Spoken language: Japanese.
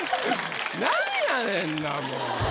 何やねんなもう。